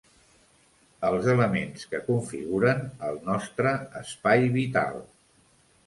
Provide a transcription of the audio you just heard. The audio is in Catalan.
Els elements que configuren el nostre espai vital.